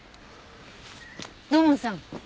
土門さん。